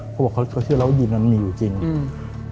เขาบอกเขาเขาเชื่อแล้วว่ายีนนั้นมีอยู่จริงอืม